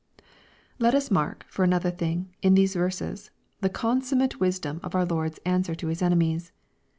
Let us mark, for another thing, in these verses, the consummate wisdom of our Lord's answer to His enemies.